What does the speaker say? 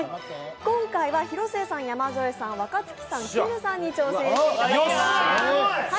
今回は広末さん、山添さん、若槻さんきむさんに挑戦していただきます。